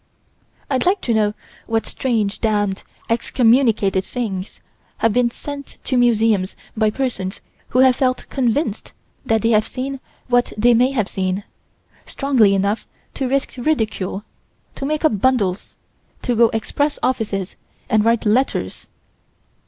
I'd like to know what strange, damned, excommunicated things have been sent to museums by persons who have felt convinced that they had seen what they may have seen, strongly enough to risk ridicule, to make up bundles, go to express offices, and write letters.